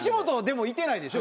いてないでしょ？